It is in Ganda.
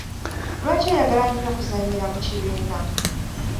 Lwaki oyagala nnyo okuzannyira mu kibiina?